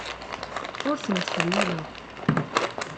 Ur ten-ttḥellileɣ.